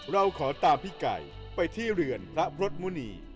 เราขอตามพี่ไก่ไปที่เรือนพระพรสมุณี